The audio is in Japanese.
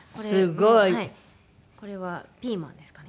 すごい！これはピーマンですかね。